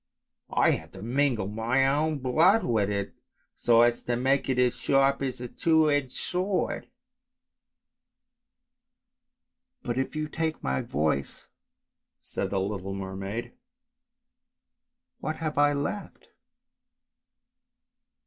I have to mingle my own blood with it so as to make it as sharp as a two edged sword." " But if you take my voice." said the little mermaid, " what have I left?